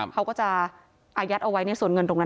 เขาก็จะอายัดเอาไว้ในส่วนเงินตรงนั้น